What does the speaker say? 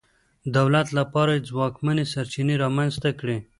دولت لپاره یې ځواکمنې سرچینې رامنځته کړې.